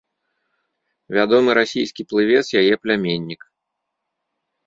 Вядомы расійскі плывец яе пляменнік.